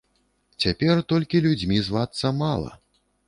Цяпер толькі людзьмі звацца мала.